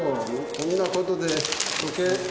こんなことで時計。